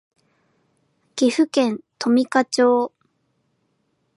岐阜県富加町